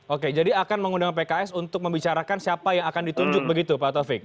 oke jadi akan mengundang pks untuk membicarakan siapa yang akan ditunjuk begitu pak taufik